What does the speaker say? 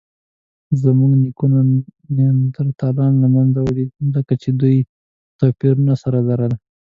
زموږ نیکونو نیاندرتالان له منځه وړي؛ ځکه چې دوی توپیرونه سره لرل.